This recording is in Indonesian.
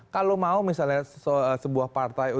kalau mau misalnya sebuah partai